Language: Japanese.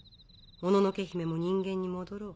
もののけ姫も人間に戻ろう。